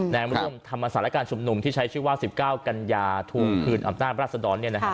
แนะนำรวมธรรมศาลการณ์ชุมนุมที่ใช้ชื่อว่า๑๙กัญญาทุ่มคืนอำนาจรัสดร